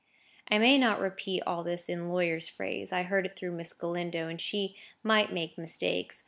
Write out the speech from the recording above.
I may not repeat all this in lawyer's phrase; I heard it through Miss Galindo, and she might make mistakes.